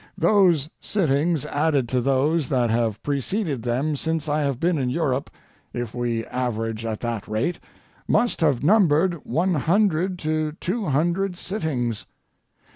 Those sittings added to those that have preceded them since I have been in Europe—if we average at that rate—must have numbered one hundred to two hundred sittings.